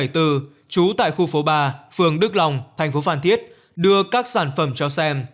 trú tại khu phố ba phường đức long thành phố phan thiết đưa các sản phẩm cho xem